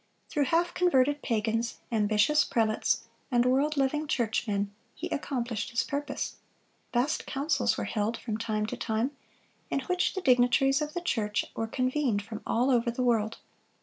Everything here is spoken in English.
Through half converted pagans, ambitious prelates, and world loving churchmen, he accomplished his purpose. Vast councils were held from time to time, in which the dignitaries of the church were convened from all the world.